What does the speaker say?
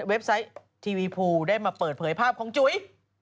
ไซต์ทีวีภูได้มาเปิดเผยภาพของจุ๋ย